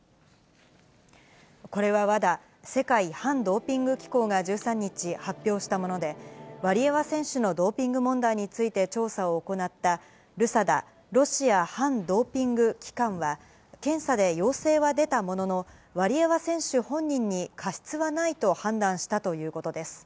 これは、ＷＡＤＡ・世界反ドーピング機構が１３日、発表したもので、ワリエワ選手のドーピング問題について調査を行った、ＲＵＳＡＤＡ・ロシア反ドーピング機関は、検査で陽性は出たものの、ワリエワ選手本人に過失はないと判断したということです。